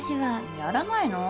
やらないの？